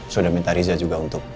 sudah minta riza juga untuk